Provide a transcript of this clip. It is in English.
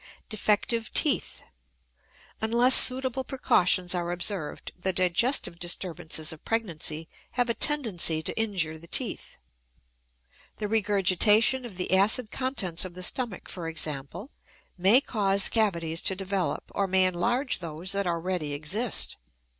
DEFECTIVE TEETH. Unless suitable precautions are observed, the digestive disturbances of pregnancy have a tendency to injure the teeth. The regurgitation of the acid contents of the stomach, for example, may cause cavities to develop or may enlarge those that already exist.